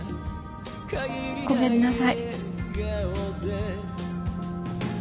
ごめんなさい。